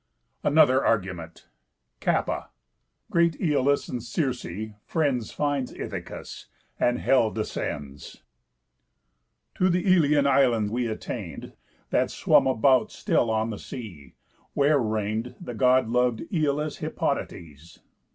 ANOTHER ARGUMENT Κάππα. Great Æolus, And Circe, friends Finds Ithacus; And hell descends. "To the Æolian island we attain'd, That swum about still on the sea, where reign'd The God lov'd Æolus Hippotades.